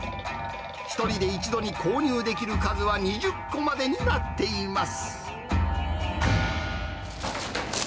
１人で１度に購入できる数は２０個までになっています。